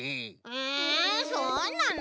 えそうなの？